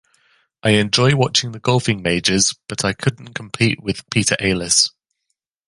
I enjoy watching the golfing Majors but I couldn't compete with Peter Alliss.